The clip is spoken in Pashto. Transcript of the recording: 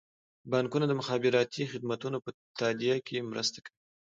بانکونه د مخابراتي خدمتونو په تادیه کې مرسته کوي.